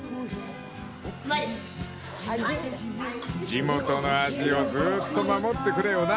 ［地元の味をずーっと守ってくれよな］